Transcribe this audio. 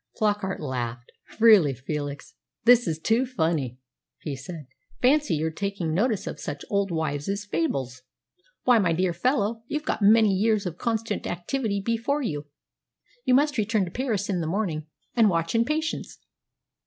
Flockart laughed. "Really, Felix, this is too funny!" he said. "Fancy your taking notice of such old wives' fables! Why, my dear fellow, you've got many years of constant activity before you yet. You must return to Paris in the morning, and watch in patience."